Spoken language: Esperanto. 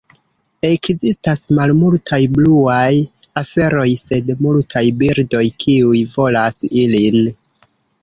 Ekzistas malmultaj bluaj aferoj, sed multaj birdoj kiuj volas ilin.